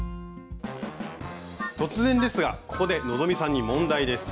突然ですがここで希さんに問題です。